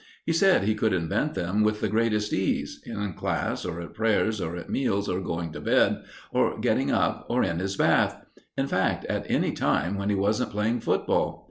He said he could invent them with the greatest ease in class, or at prayers, or at meals, or going to bed, or getting up, or in his bath in fact, at any time when he wasn't playing football.